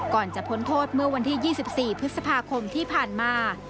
จะพ้นโทษเมื่อวันที่๒๔พฤษภาคมที่ผ่านมา